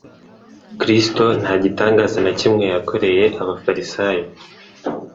Kristo nta gitangaza na kimwe yakoreye abafarisayo.